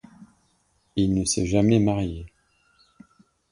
Il ne s’est jamais marié.